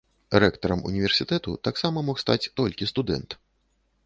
Рэктарам універсітэту таксама мог стаць толькі студэнт.